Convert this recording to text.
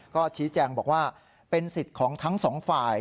ก็ชี้แจงบอกว่าเป็นสิทธิ์ของทั้งสองฝ่าย